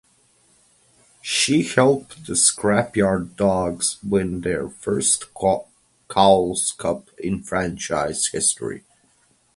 She helped the Scrap Yard Dawgs win their first Cowles Cup in franchise history.